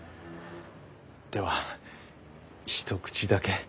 では一口だけ。